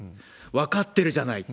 分かってるじゃないって。